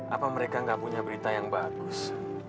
apa mereka gak punya berita yang bagus